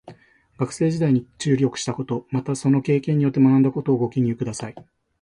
学生時代に注力したこと、またその経験によって学んだことをご記入ください。